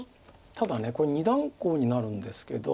ただこれ二段コウになるんですけど。